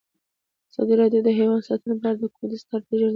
ازادي راډیو د حیوان ساتنه په اړه د حکومتي ستراتیژۍ ارزونه کړې.